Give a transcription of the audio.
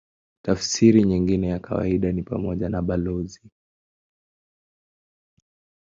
Tafsiri nyingine ya kawaida ni pamoja na balozi.